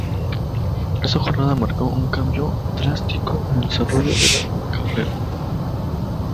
Esa jornada marcó un cambio drástico en el desarrollo de la carrera.